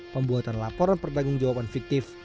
pembuatan laporan pertanggung jawaban fiktif